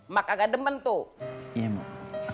mak agak demen tuh